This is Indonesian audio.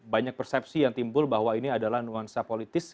banyak persepsi yang timbul bahwa ini adalah nuansa politis